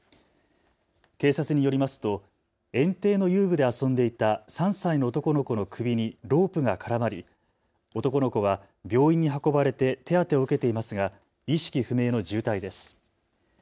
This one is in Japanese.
警察によりますと園庭の遊具で遊んでいた３歳の男の子の首にロープが絡まり、男の子は病院に運ばれて手当てを受けていますが意識不明の重体です。